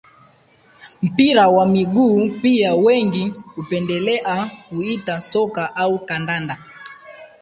Mpira wa miguu pia wengi hupendelea kuita soka au kandanda